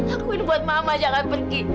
aku ini buat mama jangan pergi